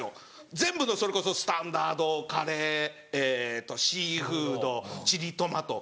全部のそれこそスタンダードカレーえっとシーフードチリトマト。